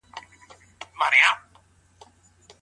کوم ډول ضرر د ګډ ژوند مخه نيسي؟